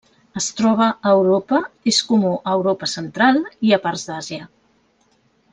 Es troba a Europa, és comú a Europa central, i a parts d'Àsia.